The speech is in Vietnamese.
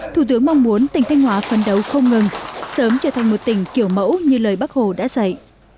thủ tướng mong muốn tỉnh thanh hóa phấn đấu không ngừng sớm trở thành một tỉnh kiểu mẫu như lời bác hồ đã dạy